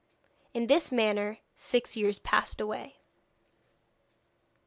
In this manner six years passed away.